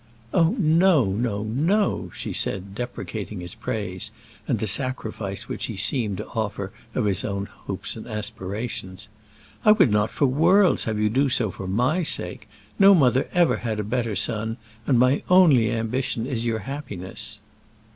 "Oh, no, no, no," she said, deprecating his praise, and the sacrifice which he seemed to offer of his own hopes and aspirations. "I would not for worlds have you do so for my sake. No mother ever had a better son, and my only ambition is for your happiness."